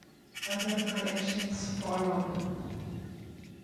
Other collections followed.